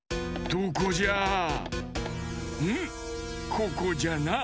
ここじゃな。